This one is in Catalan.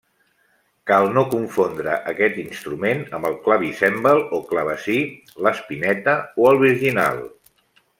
Cal no confondre aquest instrument amb el clavicèmbal o clavecí, l'espineta o el virginal.